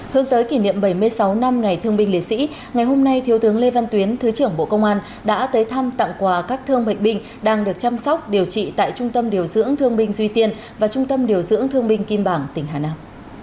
hướng tới kỷ niệm bảy mươi sáu năm ngày thương binh liệt sĩ ngày hôm nay thiếu tướng lê văn tuyến thứ trưởng bộ công an đã tới thăm tặng quà các thương bệnh binh đang được chăm sóc điều trị tại trung tâm điều dưỡng thương binh duy tiên và trung tâm điều dưỡng thương binh kim bảng tỉnh hà nam